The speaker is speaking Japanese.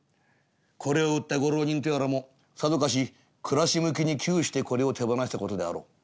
「これを売ったご浪人とやらもさぞかし暮らし向きに窮してこれを手放した事であろう。